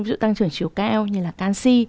ví dụ tăng trưởng chiều cao như là canxi